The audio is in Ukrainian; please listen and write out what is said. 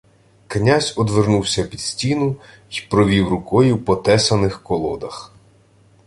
Князь одвернувся під стіну й провів рукою по тесаних колодах.